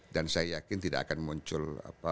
dan saya yakin tidak akan muncul